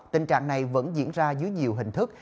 tình trạng này vẫn diễn ra dưới nhiều hình thức